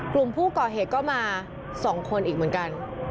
กลุ่มผู้ก่อเหตุก็มา๒คนอีกเหมือนกัน